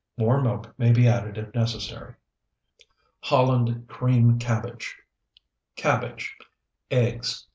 More milk may be added if necessary. HOLLAND CREAM CABBAGE Cabbage. Eggs, 2.